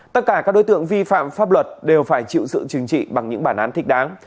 tất cả các đối tượng vi phạm pháp luật đều phải chịu sự chừng trị bằng những bản án thích đáng